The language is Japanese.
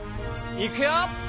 いくよ！